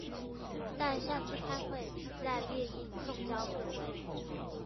待下次開會再列印送交各位